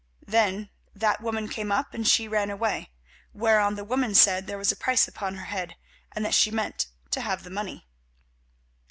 Then that woman came up, and she ran away, whereon the woman said there was a price upon her head, and that she meant to have the money."